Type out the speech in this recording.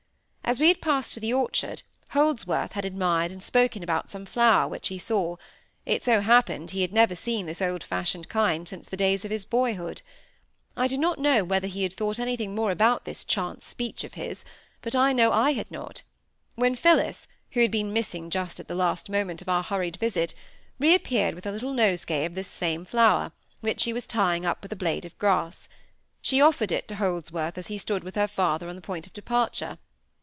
As we had passed to the orchard, Holdsworth had admired and spoken about some flower which he saw; it so happened he had never seen this old fashioned kind since the days of his boyhood. I do not know whether he had thought anything more about this chance speech of his, but I know I had not—when Phillis, who had been missing just at the last moment of our hurried visit, re appeared with a little nosegay of this same flower, which she was tying up with a blade of grass. She offered it to Holdsworth as he stood with her father on the point of departure.